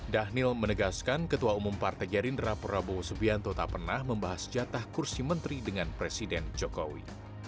dhanil menegaskan ketua umum partai gerindra prabowo subianto tak pernah membahas jatah kursi menteri dengan presiden jokowi